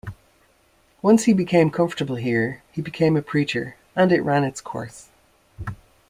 Once he became comfortable here, he became a preacher, and it ran its course.